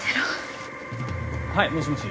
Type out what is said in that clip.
はいもしもし。